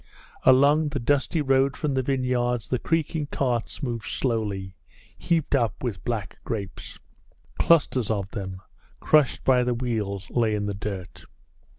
Along the dusty road from the vineyards the creaking carts moved slowly, heaped up with black grapes. Clusters of them, crushed by the wheels, lay in the dirt.